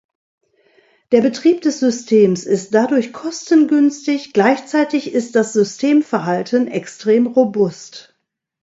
Der Betrieb des Systems ist dadurch kostengünstig, gleichzeitig ist das Systemverhalten extrem robust.